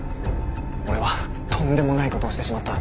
俺はとんでもないことをしてしまった。